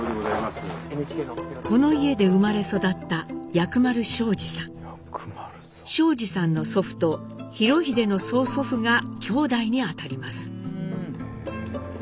この家で生まれ育った省二さんの祖父と裕英の曽祖父が兄弟にあたります。